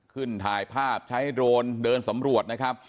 ถ่ายภาพใช้โดรนเดินสำรวจนะครับ